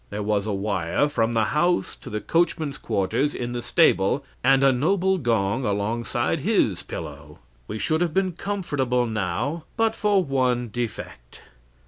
There was a wire from the house to the coachman's quarters in the stable, and a noble gong alongside his pillow. "We should have been comfortable now but for one defect.